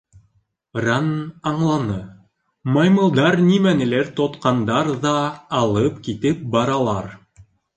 Ранн аңланы: маймылдар нимәнелер тотҡандар ҙа алып китеп баралар.